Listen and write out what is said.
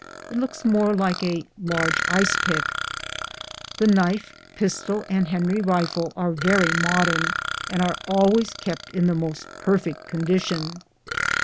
It looks more like a large ice pick. The knife, pistol, and Henry rifle are very modern, and are always kept in the most perfect con dition.